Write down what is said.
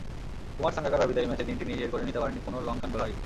কুমার সাঙ্গাকারার বিদায়ী ম্যাচে দিনটি নিজের করে নিতে পারেননি কোনো লঙ্কান বোলারই।